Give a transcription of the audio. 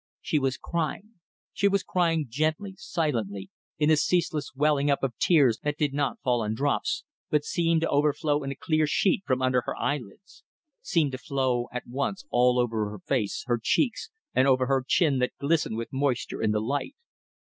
She was crying. She was crying gently, silently, in a ceaseless welling up of tears that did not fall in drops, but seemed to overflow in a clear sheet from under her eyelids seemed to flow at once all over her face, her cheeks, and over her chin that glistened with moisture in the light.